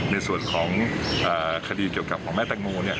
ในส่วนของคดีเกี่ยวกับของแม่แตงโม